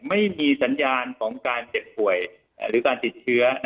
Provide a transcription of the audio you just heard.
ไม่มีสัญญาณของการเจ็บป่วยหรือการติดเชื้อ